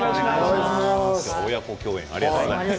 親子共演ありがとうございます。